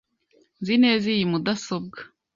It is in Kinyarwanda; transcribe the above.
Nzi neza iyi mudasobwa .